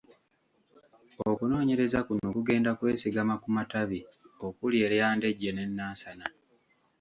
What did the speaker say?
Okunoonyereza kuno kugenda kwesigama ku matabi okuli erya Ndejje ne Nansana.